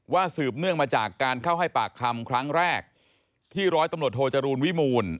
สืบเนื่องมาจากการเข้าให้ปากคำครั้งแรกที่ร้อยตำรวจโทจรูลวิมูล